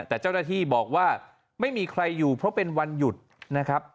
แต่เจ้าหน้าที่บอกว่าไม่มีใครอยู่เพราะเป็นวันหยุดนะครับ